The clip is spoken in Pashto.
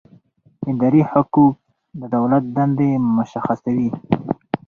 اداري حقوق د دولت دندې مشخصوي.